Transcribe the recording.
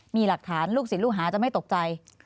มีหลักฐานลูกศิษย์ลูกหาจะไม่ตกใจ